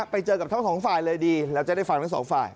ไปเจอกับทั้งสองฝ่ายเลยดีเราจะได้ฟังทั้งสองฝ่าย